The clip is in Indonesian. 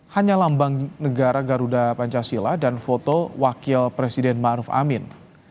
hanya lambang negara garuda pancasila dan foto wakil presiden ⁇ maruf ⁇ amin